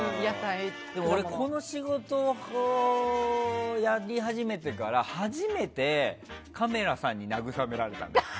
俺、この仕事をやり始めてから初めてカメラさんに慰められたの。